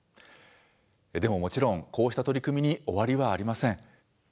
でももちろんこうした取り組みに終わりはありません。